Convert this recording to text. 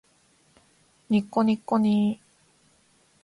にっこにっこにー